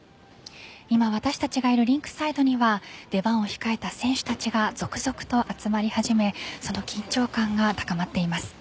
今、私たちがいるリンクサイドには出番を控えた選手たちが続々と集まり始めその緊張感が高まっています。